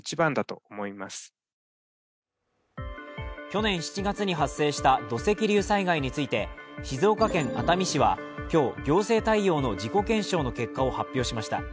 去年７月に発生した土石流災害について静岡県熱海市は今日、行政対応の自己検証の結果を発表しました。